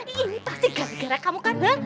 ini pasti gara gara kamu kan